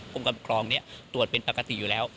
กรมกำคลองตรวจเป็นปกติอยู่แล้ว